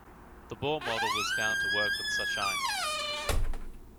The Bohr model was found to work for such ions.